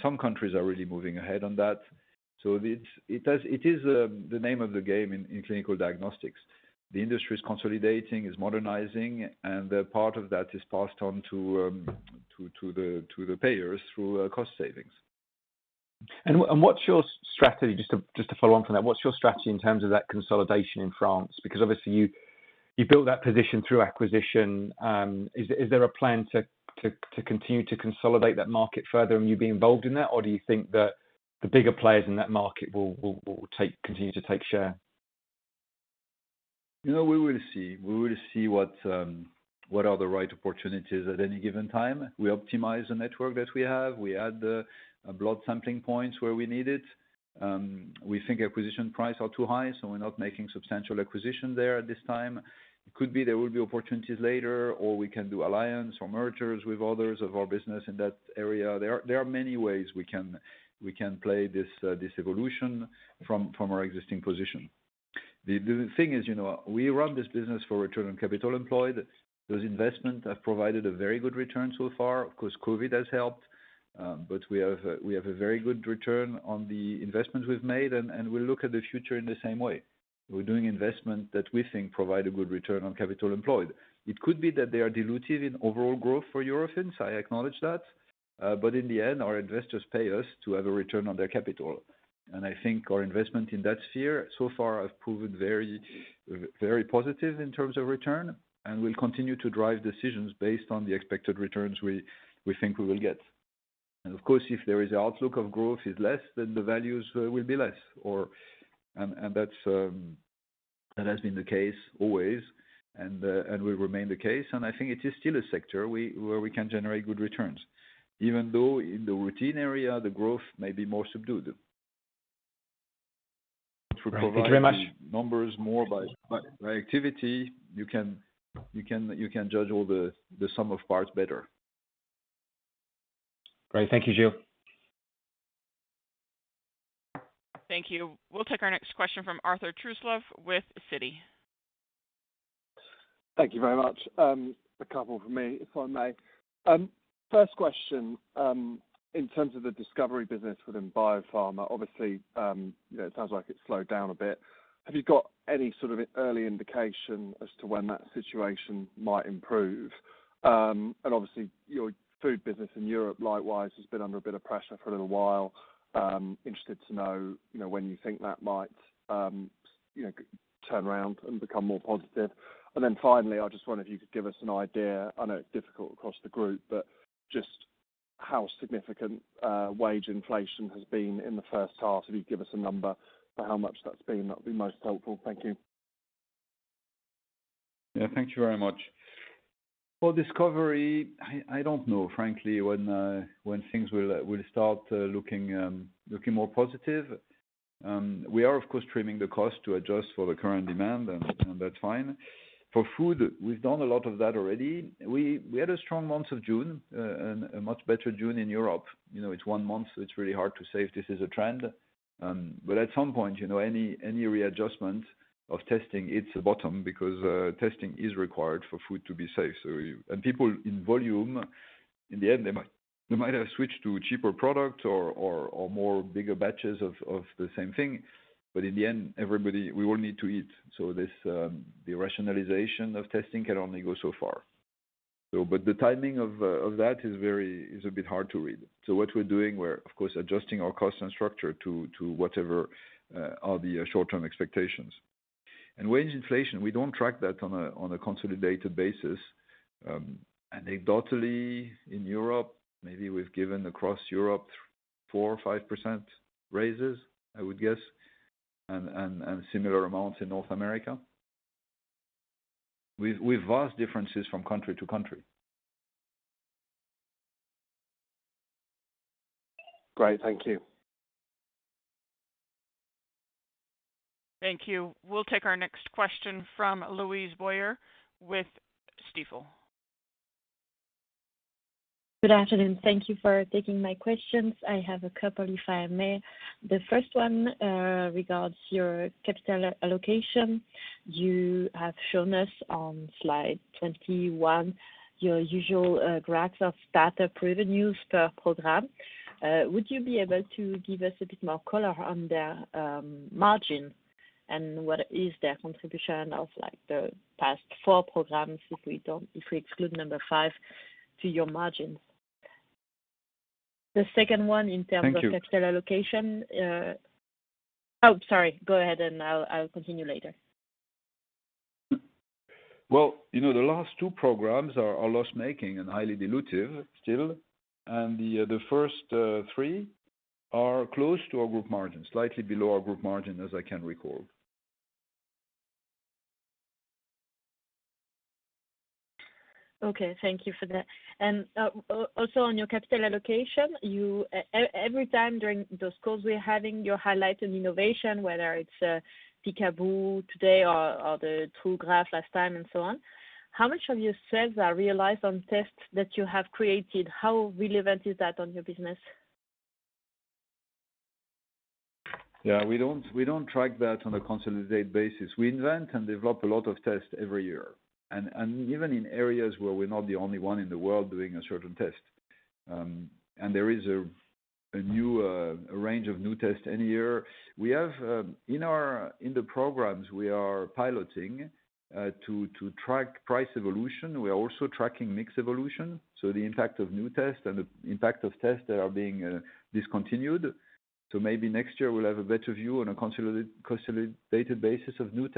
Some countries are already moving ahead on that. It's, it is, it is the name of the game in clinical diagnostics. The industry is consolidating, is modernizing, and a part of that is passed on to the payers through cost savings. What's your strategy, just to follow on from that, what's your strategy in terms of that consolidation in France? Because obviously, you built that position through acquisition. Is there a plan to continue to consolidate that market further and you be involved in that? Or do you think that the bigger players in that market will continue to take share? You know, we will see. We will see what are the right opportunities at any given time. We optimize the network that we have. We add the blood sampling points where we need it. We think acquisition price are too high, we're not making substantial acquisition there at this time. It could be there will be opportunities later, or we can do alliance or mergers with others of our business in that area. There are many ways we can play this evolution from our existing position. The thing is, you know, we run this business for return on capital employed. Those investment have provided a very good return so far. Of course, COVID has helped, we have a very good return on the investment we've made, and we look at the future in the same way. We're doing investment that we think provide a good return on capital employed. It could be that they are dilutive in overall growth for Eurofins, I acknowledge that, but in the end, our investors pay us to have a return on their capital. I think our investment in that sphere so far have proven very, very positive in terms of return, and will continue to drive decisions based on the expected returns we think we will get. Of course, if there is an outlook of growth is less, then the values will be less, or. That's that has been the case always and will remain the case. I think it is still a sector where we can generate good returns, even though in the routine area, the growth may be more subdued. Thank you very much. To provide the numbers more by activity, you can judge all the sum of parts better. Great. Thank you, Gilles. Thank you. We'll take our next question from Arthur Truslove with Citi. Thank you very much. A couple from me, if I may. First question, in terms of the discovery business within biopharma, obviously, you know, it sounds like it's slowed down a bit. Have you got any sort of early indication as to when that situation might improve? Obviously, your food business in Europe, likewise, has been under a bit of pressure for a little while. Interested to know, you know, when you think that might, you know, turn around and become more positive. Finally, I just wonder if you could give us an idea, I know it's difficult across the group, but just how significant wage inflation has been in the first half. If you give us a number for how much that's been, that would be most helpful. Thank you. Thank you very much. For discovery, I don't know, frankly, when things will start looking more positive. We are, of course, trimming the cost to adjust for the current demand, and that's fine. For food, we've done a lot of that already. We had a strong month of June and a much better June in Europe. You know, it's one month, so it's really hard to say if this is a trend. But at some point, any readjustment of testing, it's the bottom because testing is required for food to be safe. And people in volume, in the end, We might have switched to a cheaper product or more bigger batches of the same thing. In the end, everybody, we all need to eat. This, the rationalization of testing can only go so far. The timing of that is a bit hard to read. What we're doing, we're, of course, adjusting our cost and structure to whatever are the short-term expectations. Wage inflation, we don't track that on a consolidated basis. Anecdotally, in Europe, maybe we've given across Europe, 4% or 5% raises, I would guess, and similar amounts in North America. With vast differences from country to country. Great. Thank you. Thank you. We'll take our next question from Louise Boyer with Stifel. Good afternoon. Thank you for taking my questions. I have a couple, if I may. The first one regards your capital allocation. You have shown us on slide 21, your usual graphs of data revenues per program. Would you be able to give us a bit more color on the margin, and what is their contribution of, like, the past four programs, if we exclude number five, to your margins? The second one in terms. Thank you. Of capital allocation, Oh, sorry, go ahead, and I'll continue later. Well, you know, the last two programs are loss-making and highly dilutive still, and the first three are close to our group margin, slightly below our group margin, as I can recall. Okay, thank you for that. Also on your capital allocation, you every time during those calls we're having, you're highlighting innovation, whether it's Peek-a-Boo today or the TruGraf last time and so on. How much of your sales are realized on tests that you have created? How relevant is that on your business? Yeah, we don't track that on a consolidated basis. We invent and develop a lot of tests every year, and even in areas where we're not the only one in the world doing a certain test. There is a new range of new tests any year. We have in the programs we are piloting to track price evolution, we are also tracking mix evolution, so the impact of new tests and the impact of tests that are being discontinued. Maybe next year we'll have a better view on a consolidated basis of new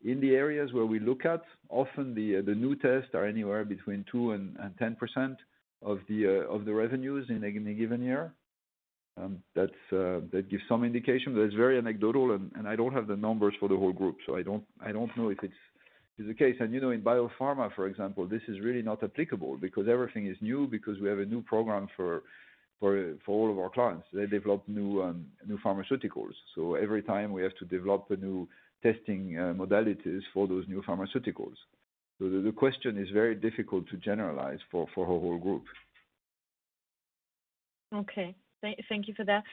tests. In the areas where we look at, often the new tests are anywhere between 2 and 10% of the revenues in a given year. That's, that gives some indication, but it's very anecdotal, and I don't have the numbers for the whole group, so I don't know if it's the case. You know, in biopharma, for example, this is really not applicable because everything is new, because we have a new program for all of our clients. They develop new pharmaceuticals. Every time we have to develop a new testing, modalities for those new pharmaceuticals. The question is very difficult to generalize for our whole group. Okay. Thank you for that.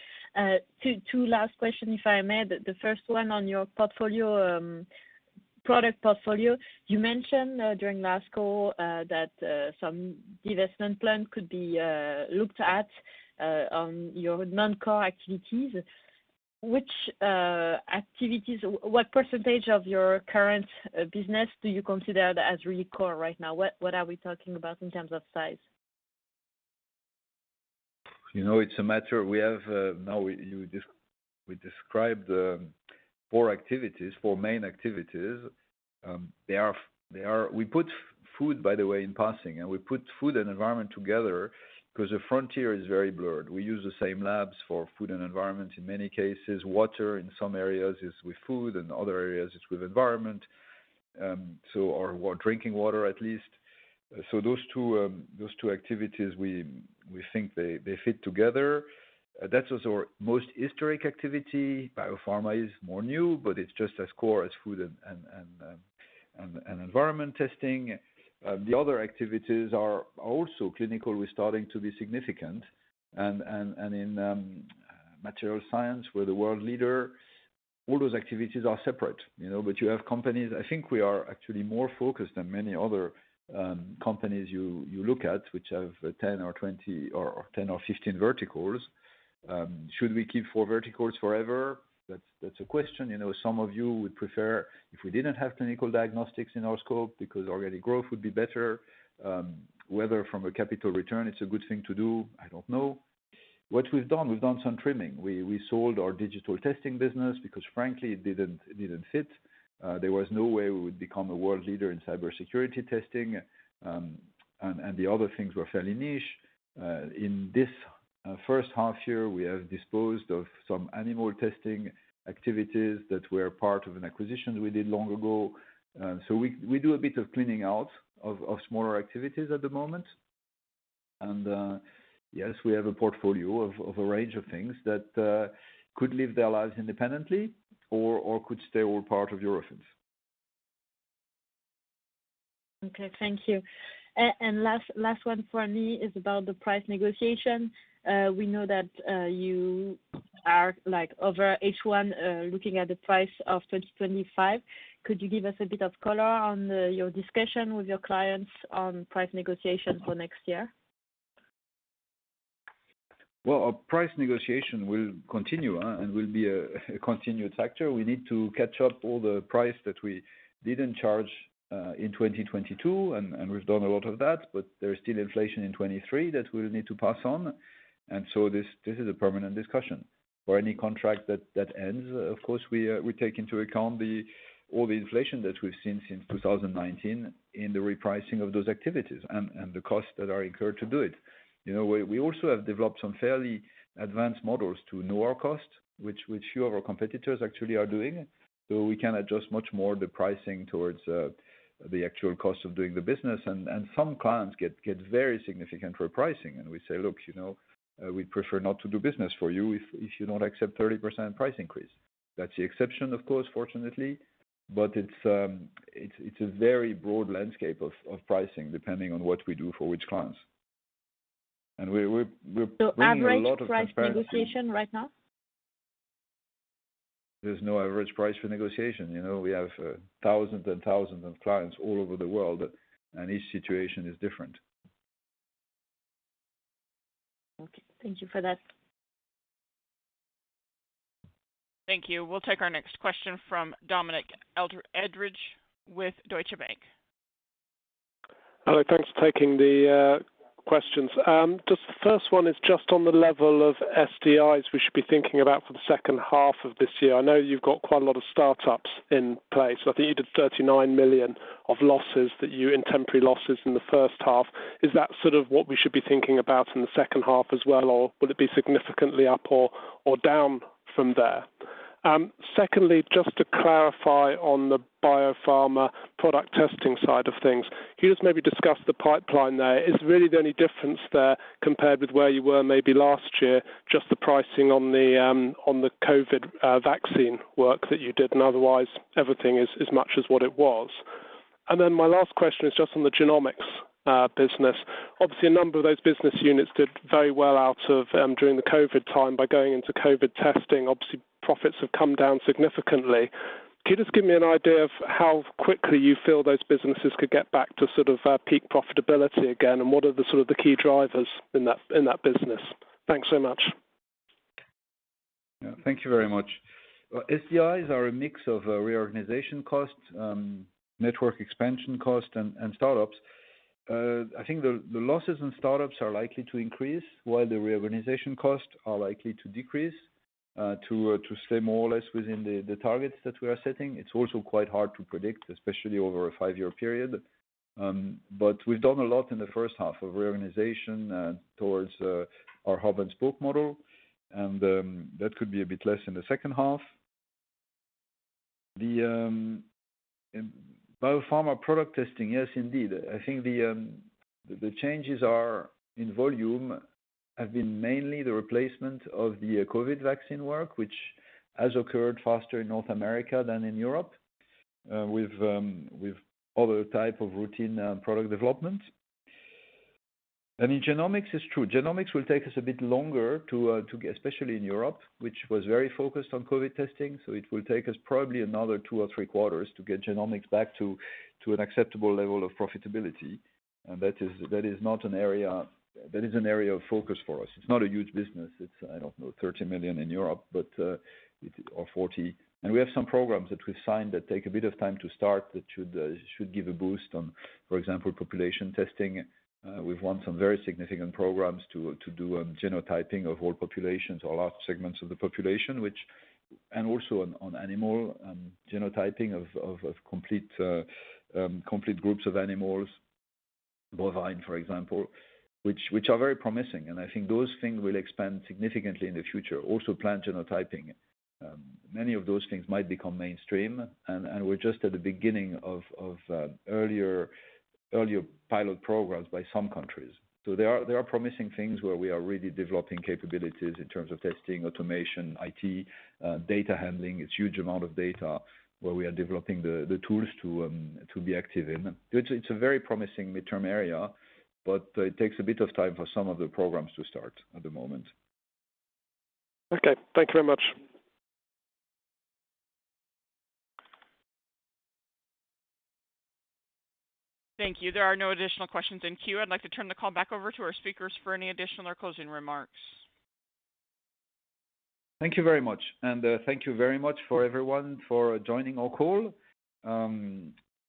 Two last questions, if I may. The first one on your portfolio, product portfolio. You mentioned during last call that some divestment plan could be looked at on your non-core activities. Which activities, what % of your current business do you consider as really core right now? What are we talking about in terms of size? You know, it's a matter... We have, now, we described the four activities, four main activities. They are, we put food, by the way, in passing, we put food and environment together because the frontier is very blurred. We use the same labs for food and environment in many cases. Water in some areas is with food, other areas it's with environment, or drinking water, at least. Those two, those two activities, we think they fit together. That's also our most historic activity. Biopharma is more new, it's just as core as food and environment testing. The other activities are also clinical, we're starting to be significant. In material science, we're the world leader. All those activities are separate, you know, you have companies I think we are actually more focused than many other companies you look at, which have 10 or 20 or 10 or 15 verticals. Should we keep 4 verticals forever? That's a question. You know, some of you would prefer if we didn't have clinical diagnostics in our scope because organic growth would be better. Whether from a capital return, it's a good thing to do, I don't know. What we've done, we've done some trimming. We sold our digital testing business because frankly, it didn't fit. There was no way we would become a world leader in cybersecurity testing, and the other things were fairly niche. In this first half year, we have disposed of some animal testing activities that were part of an acquisition we did long ago. We do a bit of cleaning out of smaller activities at the moment. Yes, we have a portfolio of a range of things that could live their lives independently or could stay all part of Eurofins. Okay, thank you. Last, last one for me is about the price negotiation. We know that, you are like over H1, looking at the price of 2025. Could you give us a bit of color on your discussion with your clients on price negotiation for next year? Well, our price negotiation will continue, and will be a continued factor. We need to catch up all the price that we didn't charge in 2022, and we've done a lot of that, but there is still inflation in 2023 that we'll need to pass on. This, this is a permanent discussion. For any contract that ends, of course, we take into account the all the inflation that we've seen since 2019 in the repricing of those activities and the costs that are incurred to do it. You know, we also have developed some fairly advanced models to know our costs, which few of our competitors actually are doing. We can adjust much more the pricing towards the actual cost of doing the business, and some clients get very significant repricing. We say, "Look, you know, we'd prefer not to do business for you if you don't accept 30% price increase." That's the exception, of course, fortunately, but it's a very broad landscape of pricing, depending on what we do for which clients. We're bringing a lot of transparency- Average price negotiation right now? There's no average price for negotiation. You know, we have thousands and thousands of clients all over the world. Each situation is different. Okay. Thank you for that. Thank you. We'll take our next question from Dominic Edridge with Deutsche Bank. Hello, thanks for taking the questions. Just the first one is just on the level of SDIs we should be thinking about for the second half of this year. I know you've got quite a lot of startups in place. I think you did 39 million of losses in temporary losses in the first half. Is that sort of what we should be thinking about in the second half as well, or will it be significantly up or down from there? Secondly, just to clarify on the biopharma product testing side of things, can you just maybe discuss the pipeline there. Is really the only difference there, compared with where you were maybe last year, just the pricing on the COVID vaccine work that you did, and otherwise, everything is much as what it was? My last question is just on the genomics business. Obviously, a number of those business units did very well out of during the COVID time by going into COVID testing. Obviously, profits have come down significantly. Can you just give me an idea of how quickly you feel those businesses could get back to sort of peak profitability again, and what are the sort of the key drivers in that, in that business? Thanks so much. Yeah. Thank you very much. SDIs are a mix of reorganization costs, network expansion costs, and startups. I think the losses in startups are likely to increase, while the reorganization costs are likely to decrease, to stay more or less within the targets that we are setting. It's also quite hard to predict, especially over a five-year period. But we've done a lot in the first half of reorganization, towards our hub-and-spoke model, and that could be a bit less in the second half. The biopharma product testing, yes, indeed. I think the changes are, in volume, have been mainly the replacement of the COVID vaccine work, which has occurred faster in North America than in Europe, with other type of routine product development. And in genomics, it's true. Genomics will take us a bit longer to get, especially in Europe, which was very focused on COVID testing, so it will take us probably another two or three quarters to get genomics back to an acceptable level of profitability. That is not an area... That is an area of focus for us. It's not a huge business. It's, I don't know, 13 million in Europe, but it, or 40 million. We have some programs that we've signed that take a bit of time to start, that should give a boost on, for example, population testing. We've won some very significant programs to do on genotyping of whole populations or large segments of the population, and also on animal genotyping of complete groups of animals, bovine, for example, which are very promising. I think those things will expand significantly in the future. Also plant genotyping. Many of those things might become mainstream, and we're just at the beginning of earlier pilot programs by some countries. There are promising things where we are really developing capabilities in terms of testing, automation, IT, data handling. It's a huge amount of data where we are developing the tools to be active in. It's a very promising midterm area, but it takes a bit of time for some of the programs to start at the moment. Okay. Thank you very much. Thank you. There are no additional questions in queue. I'd like to turn the call back over to our speakers for any additional or closing remarks. Thank you very much. Thank you very much for everyone for joining our call.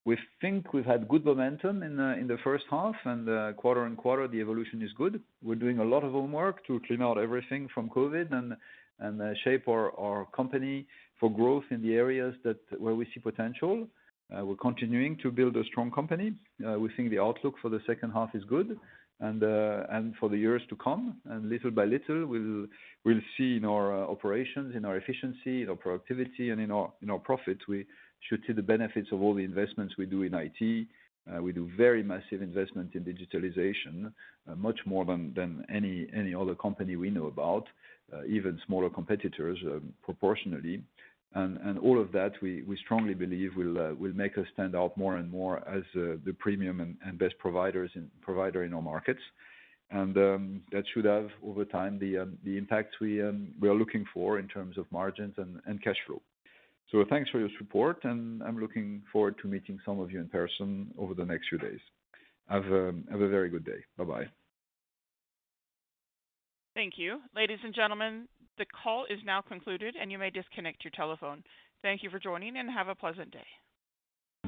We think we've had good momentum in the first half, and quarter on quarter, the evolution is good. We're doing a lot of homework to clean out everything from COVID and shape our company for growth in the areas where we see potential. We're continuing to build a strong company. We think the outlook for the second half is good, and for the years to come. Little by little, we'll see in our operations, in our efficiency, in our productivity, and in our profits, we should see the benefits of all the investments we do in IT. We do very massive investment in digitalization, much more than any other company we know about, even smaller competitors, proportionally. All of that, we strongly believe will make us stand out more and more as the premium and best provider in our markets. That should have, over time, the impact we are looking for in terms of margins and cash flow. Thanks for your support, and I'm looking forward to meeting some of you in person over the next few days. Have a very good day. Bye-bye. Thank you. Ladies and gentlemen, the call is now concluded, and you may disconnect your telephone. Thank you for joining and have a pleasant day.